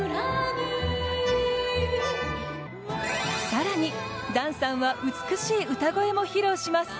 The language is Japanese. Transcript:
更に、檀さんは美しい歌声も披露します。